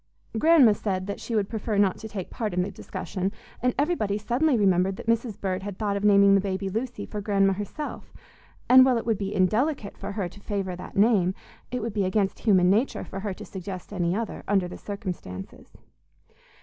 Grandma said that she would prefer not to take any part in the discussion, and everybody suddenly remembered that Mrs. Bird had thought of naming the baby Lucy, for Grandma herself; and, while it would be indelicate for her to favor that name, it would be against human nature for her to suggest any other, under the circumstances.